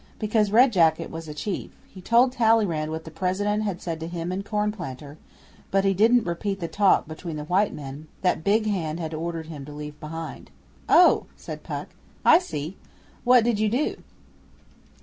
'Because Red Jacket was a chief. He told Talleyrand what the President had said to him and Cornplanter; but he didn't repeat the talk, between the white men, that Big Hand ordered him to leave behind. 'Oh!' said Puck. 'I see. What did you do?